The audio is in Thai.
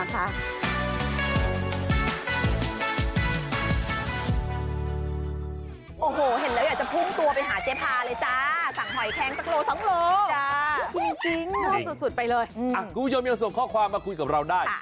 คุณผู้ชมยังส่งข้อความมาคุยกับเราได้